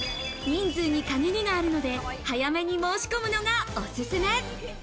人数に限りがあるので、早めに申し込むのがおすすめ。